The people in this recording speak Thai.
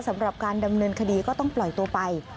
สำหรับการดำเนินคดีก็ต้องปล่อยตัวไป